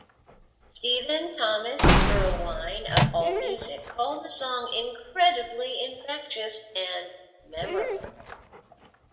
Stephen Thomas Erlewine of AllMusic called the song "incredibly infectious" and "memorable".